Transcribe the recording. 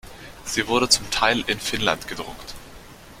Sie wurde zum Teil in Finnland gedruckt.